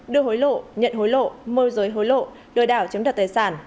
đưa hối lộ nhận hối lộ môi giới hối lộ đưa đảo chấm thật tài sản